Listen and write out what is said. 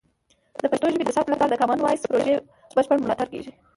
د پښتو ژبې د ثبت لپاره د کامن وایس پروژې بشپړ ملاتړ کیږي.